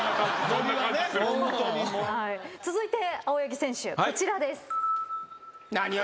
続いて青柳選手こちらです。